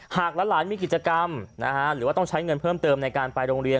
หลานมีกิจกรรมหรือว่าต้องใช้เงินเพิ่มเติมในการไปโรงเรียน